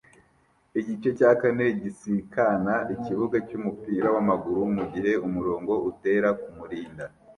Igice cya kane gisikana ikibuga cyumupira wamaguru mugihe umurongo utera kumurinda